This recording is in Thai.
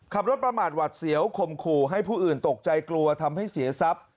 ขับรถประมาทหวัดเสียวข่มขู่ให้ผู้อื่นตกใจกลัวทำให้เสียทรัพย์